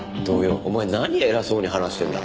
お前何偉そうに話してんだ？